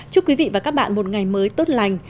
chúc quý vị và các bạn một ngày mới tốt lành